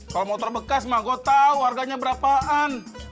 kalau motor bekas mah gue tau harganya berapaan